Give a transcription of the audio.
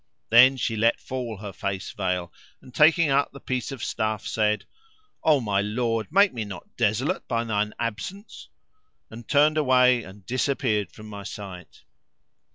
Then she let fall her face veil and taking up the piece of stuff said, "O my lord make me not desolate by thine absence!" and turned away and disappeared from my sight.